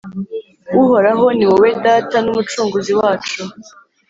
uhoraho, ni wowe data n’umucunguzi wacu.